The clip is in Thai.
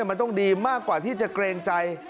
มันต้องดีมากกว่าที่จะเกรงใจ